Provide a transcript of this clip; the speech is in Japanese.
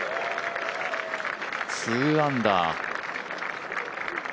２アンダー。